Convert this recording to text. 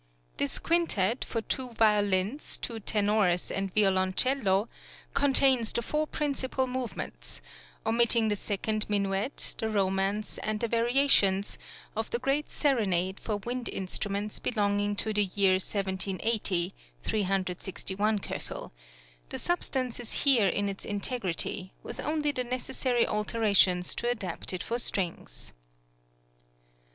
This quintet, for two violins, two tenors, and violoncello, contains the four principal movements (omitting the second minuet, the romance, and the variations) of the great serenade for wind instruments belonging to the year 1780 (361 K); the substance is here in its integrity, with only the necessary alterations to adapt it for strings.